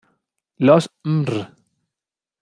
Los "Mr.